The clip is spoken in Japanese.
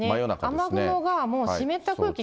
雨雲がもう、湿った空気。